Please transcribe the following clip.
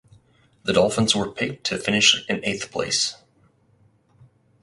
The Dolphins were picked to finish in eighth place.